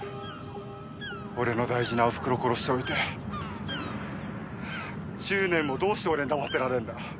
俺の大事なおふくろ殺しておいて１０年もどうして俺に黙ってられんだ？